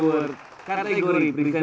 dengan programnya jalinan cinta